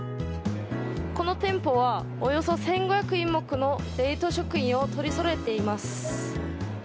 この店舗はおよそ１５００品目の冷凍食品を取りそろえています。